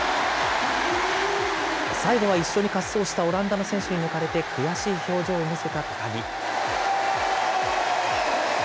最後は一緒に滑走したオランダの選手に抜かれて、悔しい表情を見せた高木。